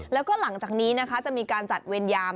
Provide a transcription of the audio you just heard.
แล้วก็หลังจากนี้นะคะจะมีการจัดเวรยาม